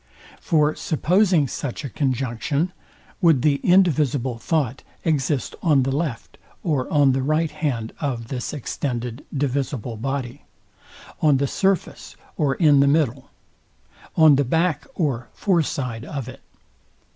For supposing such a conjunction, would the indivisible thought exist on the left or on the right hand of this extended divisible body? On the surface or in the middle? On the back or fore side of it?